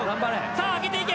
さあ上げていけ！